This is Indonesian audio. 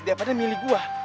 daripada milih gua